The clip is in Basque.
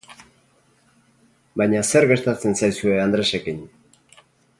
Baina zer gertatzen zaizue Andresekin.